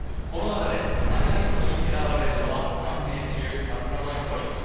この中でファイナリストに選ばれるのは３名中たったの１人。